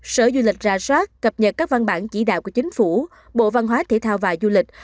sở du lịch ra soát cập nhật các văn bản chỉ đạo của chính phủ bộ văn hóa thể thao và du lịch